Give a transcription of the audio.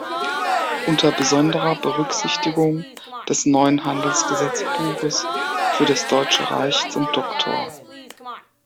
Unter besonderer Berücksichtigung des neuen Handelsgesetzbuches für das deutsche Reich" zum "Dr.